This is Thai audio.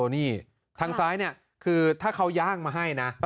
นี่ทางซ้ายเนี่ยคือถ้าเขาย่างมาให้นะ